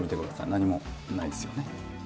何もないですよね？